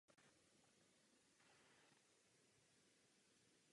Celkem jich tedy bude osm.